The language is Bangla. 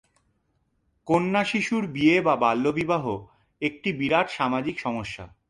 কন্যাশিশুর বিয়ে বা বাল্যবিবাহ একটি বিরাট সামাজিক সমস্যা।